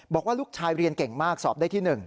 บอกว่าลูกชายเรียนเก่งมากสอบได้ที่๑